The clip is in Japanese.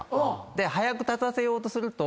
で早く立たせようとすると。